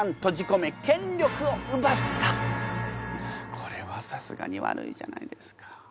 これはさすがに悪いじゃないですか。